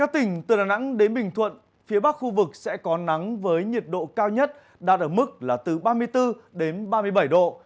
tỉnh từ đà nẵng đến bình thuận phía bắc khu vực sẽ có nắng với nhiệt độ cao nhất đạt ở mức là từ ba mươi bốn đến ba mươi bảy độ